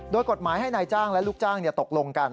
โดยกฎหมายให้นายจ้างและลูกจ้างตกลงกัน